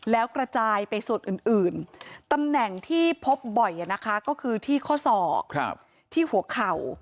แล้วกระจายไปส่วนอื่นตำแหน่งที่พบบ่อยนะคะก็คือที่ข้อศอกที่หัวเข่า